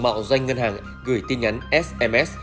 mạo danh ngân hàng gửi tin nhắn sms